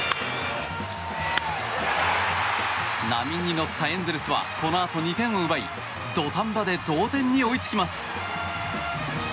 波に乗ったエンゼルスはこのあと２点を奪い土壇場で同点に追いつきます。